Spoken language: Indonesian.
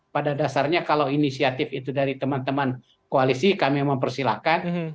pada dasarnya kalau inisiatif itu dari teman teman koalisi kami mempersilahkan